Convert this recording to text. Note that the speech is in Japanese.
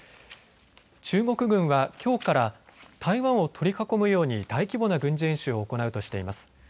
中国軍はきょうから台湾を取り囲むように大規模な軍事演習を行うとしています。